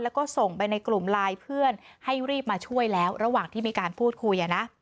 แล้วก็ส่งไปในกลุ่มไลน์เพื่อนให้รีบมาช่วยแล้วระหว่างที่มีการพูดคุยอ่ะนะ